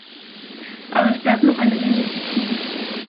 Aber es bleibt noch eine Menge zu tun.